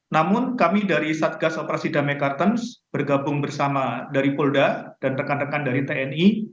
namun kami dari satgas operasi damai kartens bergabung bersama dari polda dan rekan rekan dari tni